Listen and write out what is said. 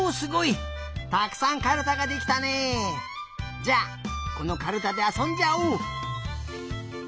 じゃこのカルタであそんじゃおう。